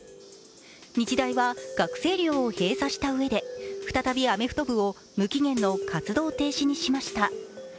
日大は学生寮を閉鎖したうえで再びアメフト部を無期限の活動停止にしました。